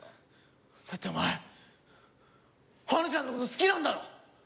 だってお前花ちゃんの事好きなんだろ？